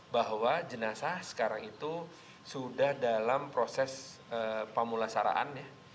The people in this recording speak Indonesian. bahwa jenazah sekarang itu sudah dalam proses pemulasaraan